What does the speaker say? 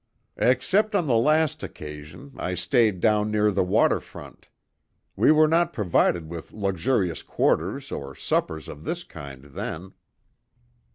"Except on the last occasion, I stayed down near the water front. We were not provided with luxurious quarters or suppers of this kind then."